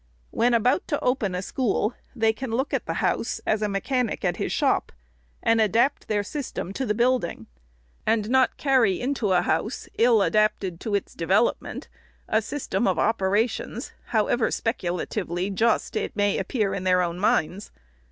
When about to open a school, they can look at the house, as a mechanic at his shop, and adapt their system to the building, and not carry into a house, ill adapted to its development, a system of operations, however speculatively just it may appear in their own minds.